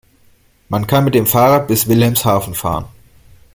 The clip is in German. Man kann mit dem Fahrrad bis Wilhelmshaven fahren